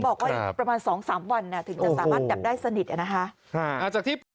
บอกว่าอีกประมาณ๒๓วันถึงจะสามารถดับได้สนิทนะคะ